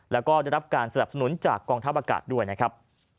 แล้วก็ได้รับการสนับสนุนจากกองทัพอากาศด้วยนะครับ